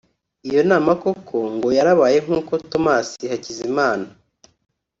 Iyo nama koko ngo yarabaye nk’uko Thomas Hakizimana